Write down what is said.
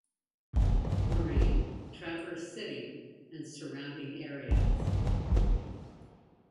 Marie, Traverse City, and surrounding areas.